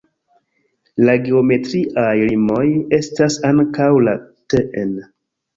La geometriaj limoj estas ankaŭ la tn.